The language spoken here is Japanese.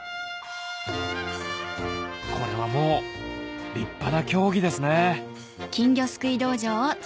これはもう立派な競技ですね